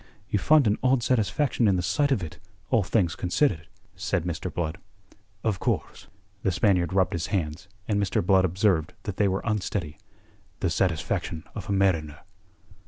"You find an odd satisfaction in the sight of it all things considered," said Mr. Blood. "Of course." The Spaniard rubbed his hands, and Mr. Blood observed that they were unsteady. "The satisfaction of a mariner."